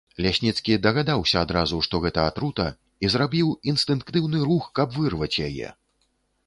Лясніцкі дагадаўся адразу, што гэта атрута, і зрабіў інстынктыўны рух, каб вырваць яе.